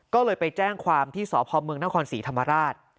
ก็เลยไปแจ้งความที่สพเมืองนครศรีธรรมราช